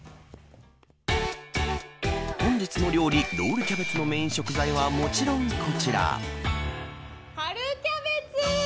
本日の料理、ロールキャベツのメーン食材はもちろんこちら。